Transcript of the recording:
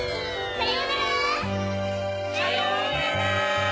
・さようなら！